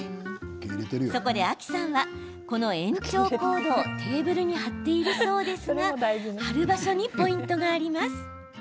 そこでａｋｉさんは延長コードをテーブルに貼っているそうですが貼る場所にポイントがあります。